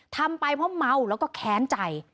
ทำไปเพราะเมาแล้วก็แค้นใจ